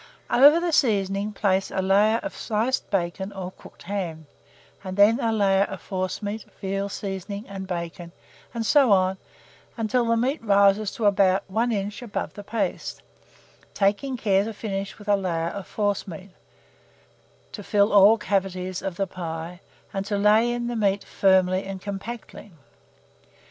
Over the seasoning place a layer of sliced bacon or cooked ham, and then a layer of forcemeat, veal seasoning, and bacon, and so on until the meat rises to about an inch above the paste; taking care to finish with a layer of forcemeat, to fill all the cavities of the pie, and to lay in the meat firmly and compactly.